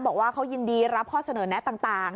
บอกว่าเขายินดีรับข้อเสนอแนะต่าง